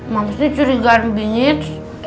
mam sih curigaan bingit